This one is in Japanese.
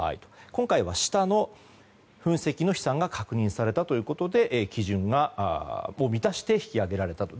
今回は下の噴石の飛散が確認されたということで基準を満たして引き上げられたと。